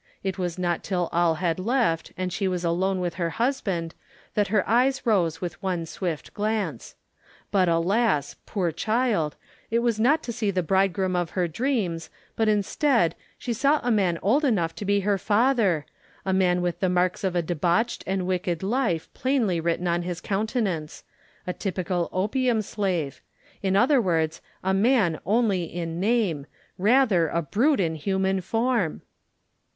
It was not till all had left and she was alone with her husband that her eyes rose with one swift glance. But, alas, poor child, it was not to see the bridegroom of her dreams, but instead she saw a man old enough to be her father,—a man with the marks of a debauched and wicked life plainly written on his countenance,—a typical opium slave; in other words a man only in name, rather a brute in human form!